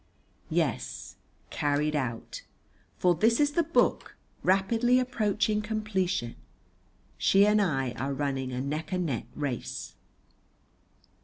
Yes, carried out, for this is the book, rapidly approaching completion. She and I are running a neck and neck race.